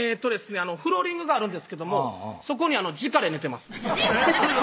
フローリングがあるんですけどもそこにじかで寝てますじか